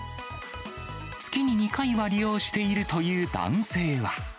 月に２回は利用しているという男性は。